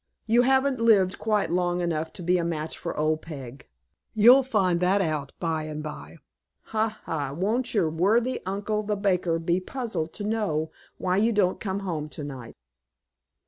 You haven't lived quite long enough to be a match for old Peg. You'll find that out by and by. Ha, ha! won't your worthy uncle, the baker, be puzzled to know why you don't come home to night?"